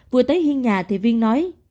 vừa tới hiên nhà thì viên nói